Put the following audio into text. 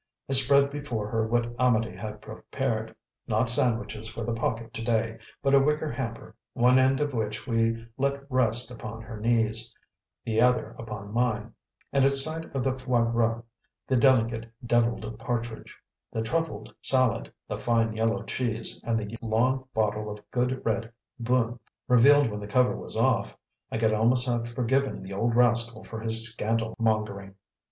I spread before her what Amedee had prepared; not sandwiches for the pocket to day, but a wicker hamper, one end of which we let rest upon her knees, the other upon mine, and at sight of the foie gras, the delicate, devilled partridge, the truffled salad, the fine yellow cheese, and the long bottle of good red Beaune, revealed when the cover was off, I could almost have forgiven the old rascal for his scandal mongering.